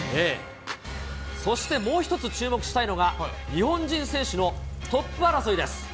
そしてもう一つ注目したいのが、日本人選手のトップ争いです。